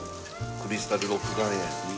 クリスタルロック岩塩。